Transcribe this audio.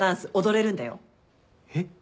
えっ？